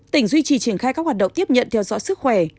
tỉnh duy trì triển khai các hoạt động tiếp nhận theo dõi sức khỏe